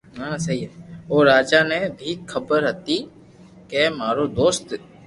او راجا ني ڀي خبر ھتي ڪي مارو دوست